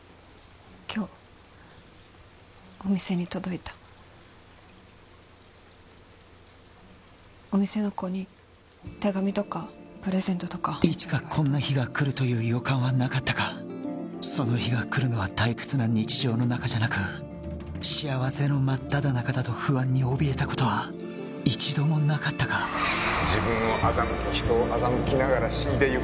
今日お店に届いたお店の子に手紙とかプレゼントとかいつかこんな日がくるという予感はなかったかその日がくるのは退屈な日常の中じゃなく幸せの真っただ中だと不安におびえたことは一度もなかったか自分を欺き人を欺きながら死んでいく